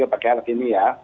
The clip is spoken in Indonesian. pakai alat ini ya